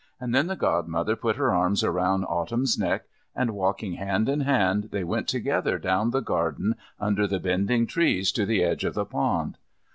And then the Godmother put her arm round Autumn's neck, and, walking hand in hand, they went together down the garden under the bending trees to the edge of the pond.